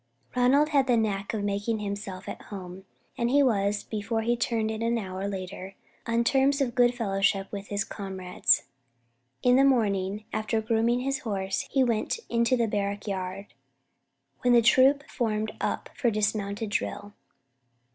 Ronald had the knack of making himself at home, and was, before he turned in an hour later, on terms of good fellowship with his comrades. In the morning, after grooming his horse, he went into the barrack yard, when the troop formed up for dismounted drill.